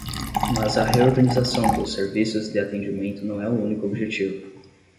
Mas a reorganização dos serviços de atendimento não é o único objetivo.